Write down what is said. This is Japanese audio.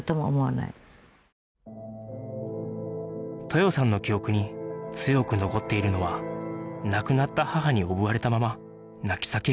豊さんの記憶に強く残っているのは亡くなった母におぶわれたまま泣き叫ぶ赤ちゃん